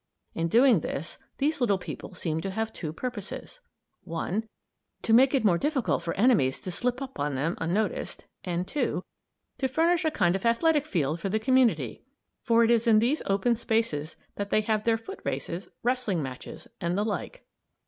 In doing this these little people seem to have two purposes: (1) To make it more difficult for enemies to slip up on them unnoticed, and (2) to furnish a kind of athletic field for the community; for it is in these open spaces that they have their foot races, wrestling matches, and the like.